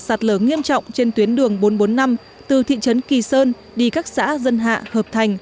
sạt lở nghiêm trọng trên tuyến đường bốn trăm bốn mươi năm từ thị trấn kỳ sơn đi các xã dân hạ hợp thành